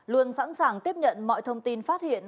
luôn sẵn sàng tiếp nhận mọi thông tin phát hiện